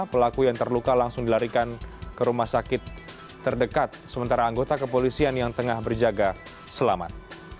pelaku yang terluka langsung dilarikan ke rumah sakit terdekat sementara anggota kepolisian yang tengah berjaga selamat